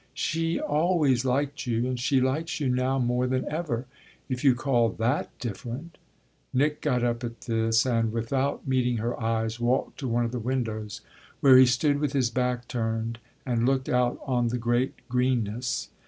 "She always liked you and she likes you now more than ever if you call that different!" Nick got up at this and, without meeting her eyes, walked to one of the windows, where he stood with his back turned and looked out on the great greenness.